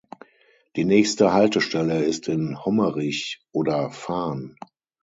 Die nächste Haltestelle ist in Hommerich oder Fahn.